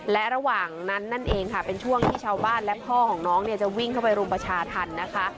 และระหว่างนั้นนั่นเองค่ะเป็นช่วงที่ชาวบ้านและพ่อของน้องเนี่ยจะวิ่งเข้าไปรุมประชาธรรมนะคะ